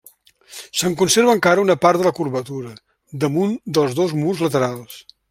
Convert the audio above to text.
Se'n conserva encara una part de la curvatura, damunt dels dos murs laterals.